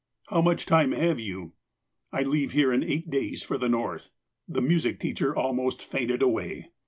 '' How much time have you"? "" I leave here in eight days for the North." The music teacher almost fainted away.